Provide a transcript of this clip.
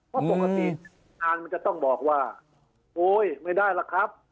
เพราะปกติอ่านมันจะต้องบอกว่าโอ๊ยไม่ได้หรอกครับ